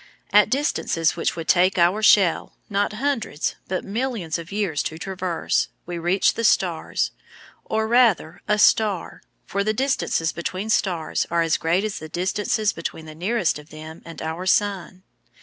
At distances which would take our shell, not hundreds, but millions of years to traverse, we reach the stars or rather, a star, for the distances between stars are as great as the distance between the nearest of them and our Sun.